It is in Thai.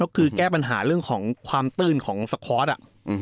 ก็คือแก้ปัญหาเรื่องของความตื้นของสคอร์ส